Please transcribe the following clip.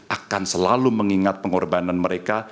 akan selalu mengingat pengorbanan mereka